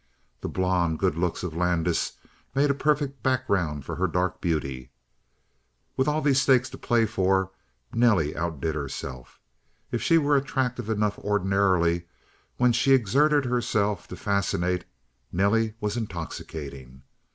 The blond, good looks of Landis made a perfect background for her dark beauty. With all these stakes to play for, Nelly outdid herself. If she were attractive enough ordinarily, when she exerted herself to fascinate, Nelly was intoxicating.